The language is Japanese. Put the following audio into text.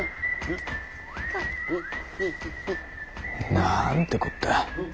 なんてこった。